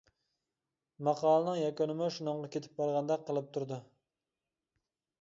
ماقالىنىڭ يەكۈنىمۇ شۇنىڭغا كېتىپ بارغاندەك قىلىپ تۇرىدۇ.